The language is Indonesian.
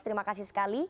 terima kasih sekali